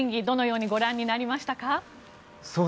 どのようにご覧になりましたか？